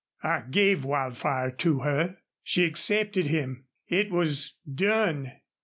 "I gave Wildfire to her. She accepted him. It was DONE.